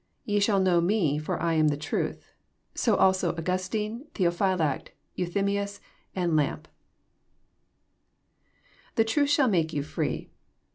*< Ye shall know Me, for I am the truth." So also Augustine, Theophylact, Euthymius, and Lampe. [^The truth shall make you free."